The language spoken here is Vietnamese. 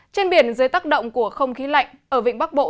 trên biển dưới tác động của không khí lạnh ở vịnh bắc bộ